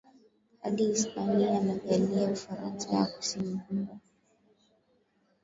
hadi Hispania na Gallia Ufaransa ya Kusini Kumbe